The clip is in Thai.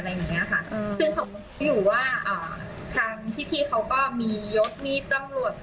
ซึ่งผมรู้สึกอยู่ว่าทางที่เขาก็มียศมีตำรวจ